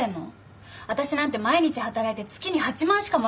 私なんて毎日働いて月に８万しかもらえないのよ？